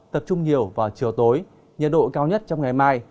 tập trung nhiều vào chiều tối nhiệt độ cao nhất trong ngày mai